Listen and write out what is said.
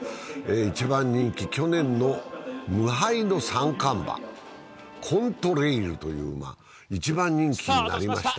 一番人気、去年の無敗の三冠馬、コントレイルという馬、一番人気になりました。